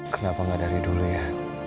kenapa nggak dari dulu ya